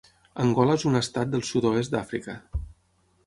Angola és un estat del sud-oest d'Àfrica.